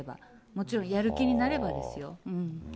もちろん、やる気になればですよ。